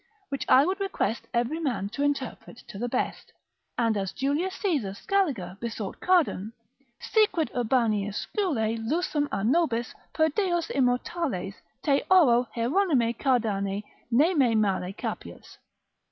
which I would request every man to interpret to the best, and as Julius Caesar Scaliger besought Cardan (si quid urbaniuscule lusum a nobis, per deos immortales te oro Hieronyme Cardane ne me male capias).